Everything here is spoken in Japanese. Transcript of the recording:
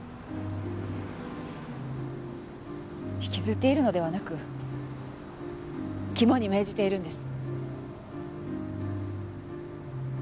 引きずっているのではなく肝に銘じているんです。